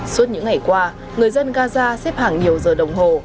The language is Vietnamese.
suốt những ngày qua người dân gaza xếp hàng nhiều giờ đồng hồ